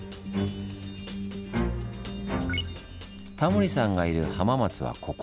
タモリさんがいる浜松はここ。